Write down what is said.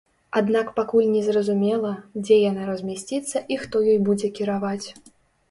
Аднак пакуль не зразумела, дзе яна размясціцца і хто ёй будзе кіраваць.